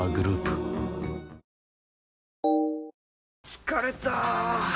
疲れた！